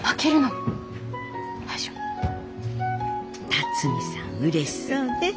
龍己さんうれしそうね。